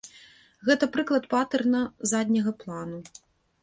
Гэта прыклад патэрна задняга плану.